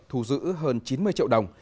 thu giữ hơn chín mươi triệu đồng